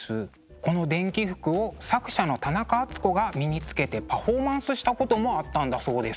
この電気服を作者の田中敦子が身につけてパフォーマンスしたこともあったんだそうです。